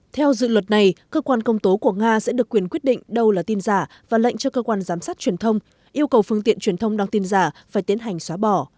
theo dự luật này cơ quan công tố của nga sẽ được quyền quyết định đâu là tin giả và lệnh cho cơ quan giám sát truyền thông yêu cầu phương tiện truyền thông đăng tin giả phải tiến hành xóa bỏ